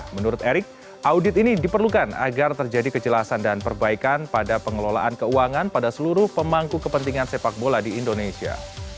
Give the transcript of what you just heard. menurut erick audit ini diperlukan agar terjadi kejelasan dan perbaikan pada pengelolaan keuangan pada seluruh pemangku kepentingan sepak bola di indonesia